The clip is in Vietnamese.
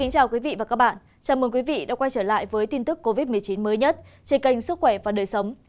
chào mừng quý vị đã quay trở lại với tin tức covid một mươi chín mới nhất trên kênh sức khỏe và đời sống